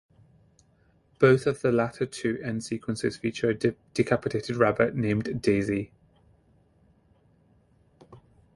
Both of the latter two end sequences feature a decapitated rabbit named Daisy.